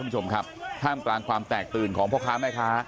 คุณผู้ชมครับท่ามกลางความแตกตื่นของพ่อค้าแม่ค้า